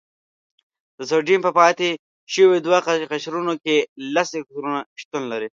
د سوډیم په پاتې شوي دوه قشرونو کې لس الکترونونه شتون لري.